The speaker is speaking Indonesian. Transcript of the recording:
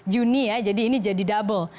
juni ya jadi ini jadi double